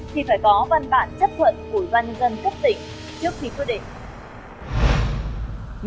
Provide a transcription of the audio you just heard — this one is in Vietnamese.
thì phải có văn bản chấp thuận của ủy ban nhân dân cấp tỉnh trước khi quyết định